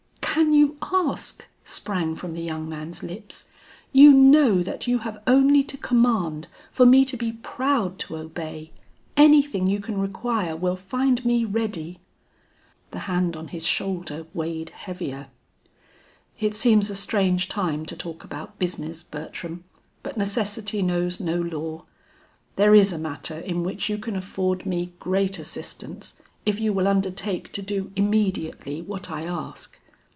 "Can you ask?" sprang from the young man's lips; "you know that you have only to command for me to be proud to obey. Anything you can require will find me ready." The hand on his shoulder weighed heavier. "It seems a strange time to talk about business, Bertram, but necessity knows no law. There is a matter in which you can afford me great assistance if you will undertake to do immediately what I ask."